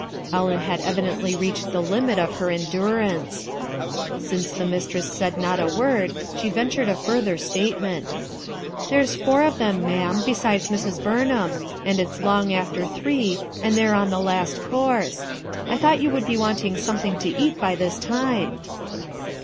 Ellen bad evidently reached the limit of her endurance. Since the mistress said not a word, she ventured a further ACCIDENT OR DESIGN? 150 statement. "There's four of them, ma'am besides Mrs. Burnlmm; and it's long after three' and they're on the last course. I thought you would be wanting something to eat by this time."